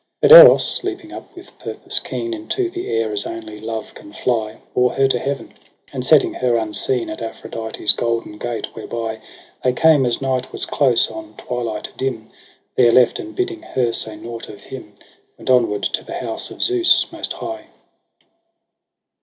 10 But Eros leaping up with purpose keen Into the air, as only love can fly. Bore her to heaven, and setting her unseen At Aphrodite's golden gate, — whereby They came as night was close on twilight dim, — There left, and bidding her say nought of him, Went onward to the house of Zeus most high.